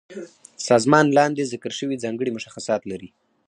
سازمان لاندې ذکر شوي ځانګړي مشخصات لري.